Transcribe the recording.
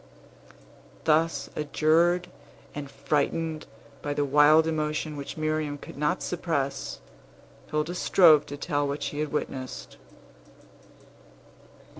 Thus adjured, and frightened by the wild emotion which Miriam could not suppress, Hilda strove to tell what she had witnessed.